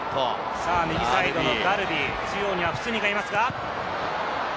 右サイドのガルビ、中央にはフスニがいます。